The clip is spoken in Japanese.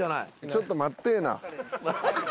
ちょっと待ってえな。